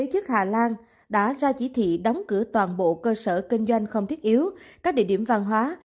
chức hà lan đã ra chỉ thị đóng cửa toàn bộ cơ sở kinh doanh không thiết yếu các địa điểm văn hóa